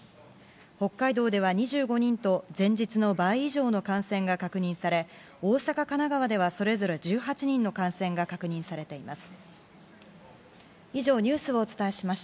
北海道では２５人と前日の倍以上の感染が確認され大阪、神奈川ではそれぞれ１８人の感染が確認されています。